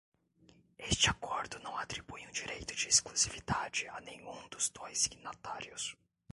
Este acordo não atribui um direito de exclusividade a nenhum dos dois signatários.